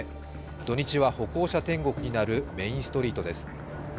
土日は歩行者天国になるメインストリートです。